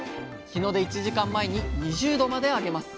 日の出１時間前に２０℃まで上げます。